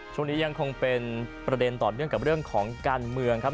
ช่วงนี้ยังคงเป็นประเด็นต่อเนื่องกับเรื่องของการเมืองครับ